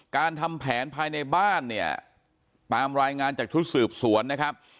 การทำแผนภายในบ้านเนี่ยตามรายงานจากชุดสืบสวนนะครับ